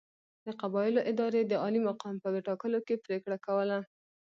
د قبایلو ادارې د عالي مقام په ټاکلو کې پرېکړه کوله.